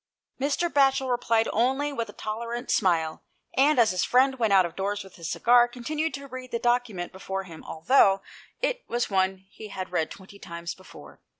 Mr. Batchel replied only with a tolerant smile, and, as his friend went out of doors with his cigar, continued to read the document before him, although it was one he had read twenty times before.